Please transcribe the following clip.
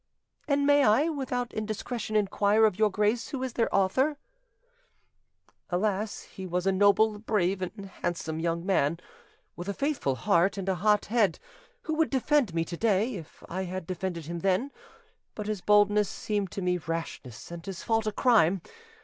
"And may I, without indiscretion, inquire of your grace who is their author?" "Alas! he was a noble, brave, and handsome young man, with a faithful heart and a hot head, who would defend me to day, if I had defended him then; but his boldness seemed to me rashness, and his fault a crime.